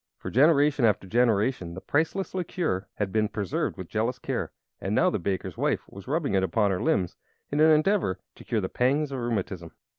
For generation after generation the priceless liquor had been preserved with jealous care, and now the baker's wife was rubbing it upon her limbs in an endeavor to cure the pangs of rheumatism!